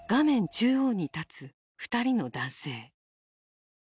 中央に立つ２人の男性。